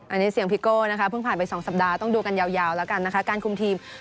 อันนี้เสียงพี่โก้นะคะเพิ่งผ่านไป๒สัปดาห์ต้องดูกันยาวแล้วกันนะคะการคุมทีม